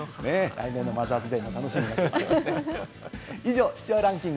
来年のマザーズ・デーも楽しみです。